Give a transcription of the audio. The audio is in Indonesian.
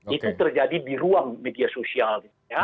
itu terjadi di ruang media sosial